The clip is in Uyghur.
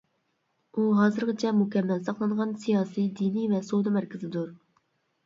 ئۇ ھازىرغىچە مۇكەممەل ساقلانغان سىياسىي، دىنىي ۋە سودا مەركىزىدۇر.